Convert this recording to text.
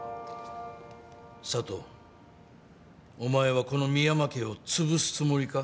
佐都お前はこの深山家をつぶすつもりか？